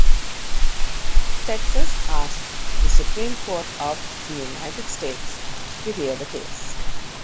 Texas asked the Supreme Court of the United States to hear the case.